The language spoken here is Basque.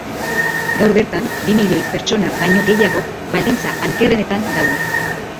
Gaur bertan, bi milioi pertsona baino gehiago baldintza ankerrenetan daude.